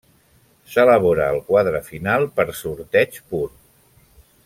S'elabora el quadre final per sorteig pur.